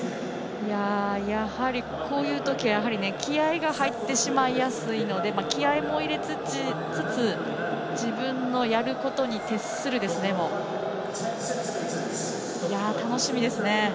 やはり、こういうときは気合いが入ってしまいやすいので気合いも入れつつ自分のやることに徹することですね。